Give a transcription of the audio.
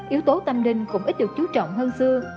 yếu tố tâm linh cũng ít được chú trọng hơn xưa